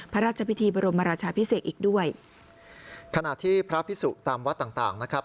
พระราชพิธีบรมราชาพิเศษอีกด้วยขณะที่พระพิสุตามวัดต่างต่างนะครับ